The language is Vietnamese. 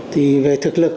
thì về thực lực